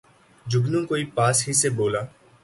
جگنو کوئی پاس ہی سے بولا